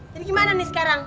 jadi gimana nih sekarang